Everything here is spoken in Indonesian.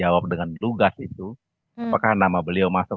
jawab dengan lugas itu apakah nama beliau masuk